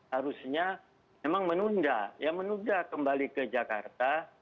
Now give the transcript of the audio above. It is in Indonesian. harusnya memang menunda ya menunda kembali ke jakarta